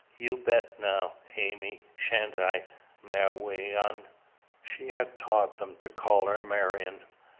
You bette' now, Amy?' Sha'n't I, Mawion?" She had taught them to call her Marion.